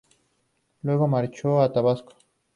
Luego marchó a Tabasco.